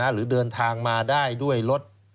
หรือเดินทางมาได้ด้วยรถ